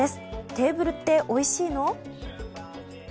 テーブルっておいしいの？